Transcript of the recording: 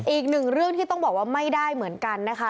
อีกหนึ่งเรื่องที่ต้องบอกว่าไม่ได้เหมือนกันนะคะ